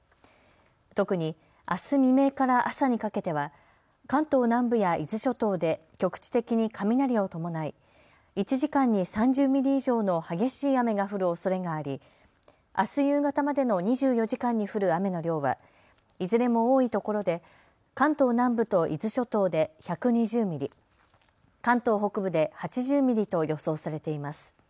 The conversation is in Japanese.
特に、あす未明から朝にかけては関東南部や伊豆諸島で局地的に雷を伴い１時間に３０ミリ以上の激しい雨が降るおそれがありあす夕方までの２４時間に降る雨の量はいずれも多いところで関東南部と伊豆諸島で１２０ミリ、関東北部で８０ミリと予想されています。